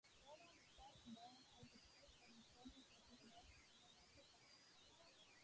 Bowman is best known as the coach of record-breaking American swimmer Michael Phelps.